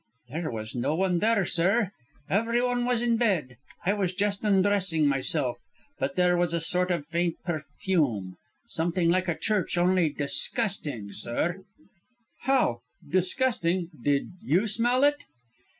"There was no one there, sir. Everyone was in bed; I was just undressing, myself. But there was a sort of faint perfume something like a church, only disgusting, sir " "How disgusting! Did you smell it?"